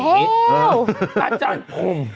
หาวิคงี้อาจารย์พรม